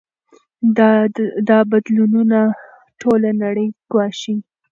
دا بدلونونه ټوله نړۍ ګواښي.